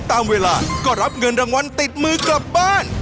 ตามเวลาก็รับเงินรางวัลติดมือกลับบ้าน